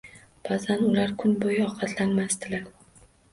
Ba'zan ular kun bo'yi ovqatlanmasdilar.